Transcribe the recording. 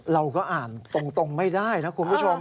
เราก็อ่านตรงไม่ได้นะคุณผู้ชม